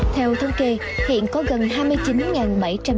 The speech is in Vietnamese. theo thông kê hiện có gần hai mươi chín bảy trăm linh doanh nghiệp